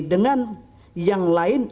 dengan yang lain